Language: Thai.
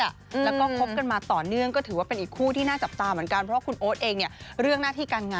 แล้วก็คบกันกันมาต่อเนื่องก็ถือว่าเป็นอีกคู่ที่น่าจับตาเหมือนกัน